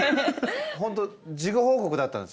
本当事後報告だったんですよね。